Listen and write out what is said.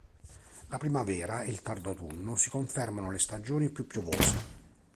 La primavera e il tardo autunno si confermano le stagioni più piovose.